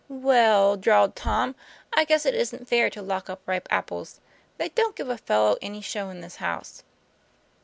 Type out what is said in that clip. "Well," drawled Tom, "I guess it isn't fair to lock up ripe apples. They don't give a fellow any show in this house."